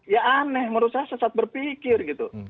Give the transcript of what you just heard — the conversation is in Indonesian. ya aneh menurut saya sesat berpikir gitu